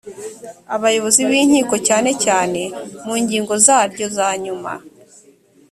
abayobozi b’inkiko cyane cyane mu ngingo zaryo za nyuma